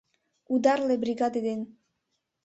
Ударле бригаде ден